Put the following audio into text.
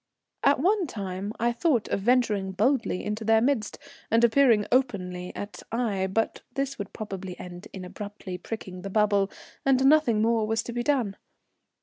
At one time I thought of venturing boldly into their midst and appearing openly at Aix; but this would probably end in abruptly pricking the bubble, and nothing more was to be done.